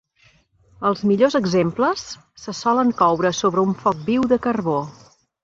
Els millors exemples se solen coure sobre un foc viu de carbó.